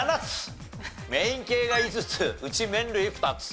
メイン系が５つうち麺類２つ。